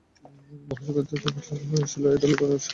বহুজাতিক বাহিনীর পশ্চাদপসারণ ছিল এ ধূলিঝড়ের উৎস।